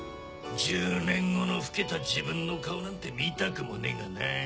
１０年後の老けた自分の顔なんて見たくもねえがな。